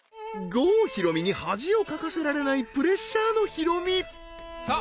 郷ひろみに恥をかかせられないプレッシャーのヒロミさあ